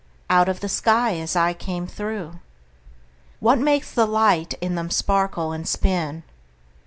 Out of the sky as I came through. What makes the light in them sparkle and spin?